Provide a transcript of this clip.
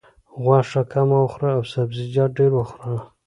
غوښه کمه وخوره او سبزیجات ډېر وخوره.